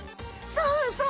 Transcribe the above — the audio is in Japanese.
そうそう！